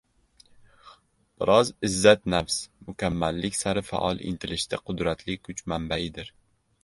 biroq izzat-nafs mukammallik sari faol intilishda qudratli kuch manbaidir.